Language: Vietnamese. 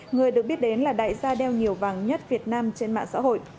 người được biết đến là đại gia đeo nhiều vàng nhất việt nam trên mạng xã hội